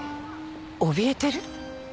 おびえてる？